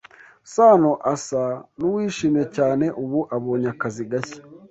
Sano asa nuwishimye cyane ubu abonye akazi gashya.